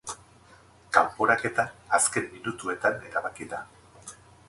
Kanporaketa azken minutuetan erabaki da.